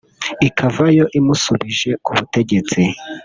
ikavayo imusubuje kubutegetsi